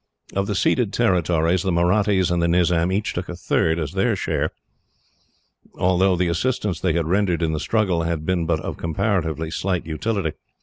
Of the ceded territory the Mahrattis and the Nizam each took a third as their share, although the assistance they had rendered in the struggle had been but of comparatively slight utility.